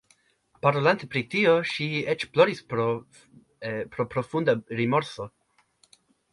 Parolante pri tio, ŝi eĉ ploris pro profunda rimorso.